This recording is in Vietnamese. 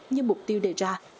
như mục tiêu đề ra